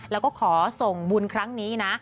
แล้วก็ขอส่งบุญครั้งนี้นะ